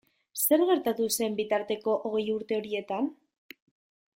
Zer gertatu zen bitarteko hogei urte horietan?